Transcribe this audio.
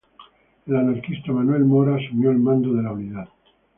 El anarquista Manuel Mora asumió el mando de la unidad.